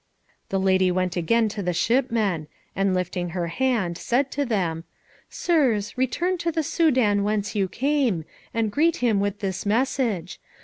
The lady went again to the shipmen, and lifting her hand, said to them, "Sirs, return to the Soudan whence you came, and greet him with this message.